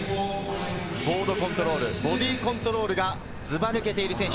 ボードコントロール、ボディコントロールがずば抜けている選手。